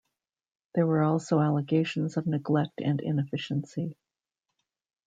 There were also allegations of neglect and inefficiency.